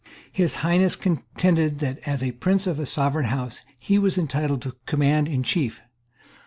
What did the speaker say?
His Highness contended that, as a prince of a sovereign house, he was entitled to command in chief.